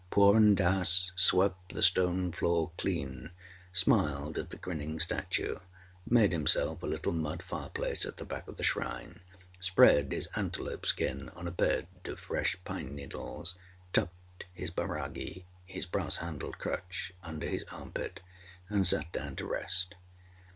Purun Dass swept the stone floor clean, smiled at the grinning statue, made himself a little mud fireplace at the back of the shrine, spread his antelope skin on a bed of fresh pine needles, tucked his bairagi his brass handled crutch under his armpit, and sat down to rest.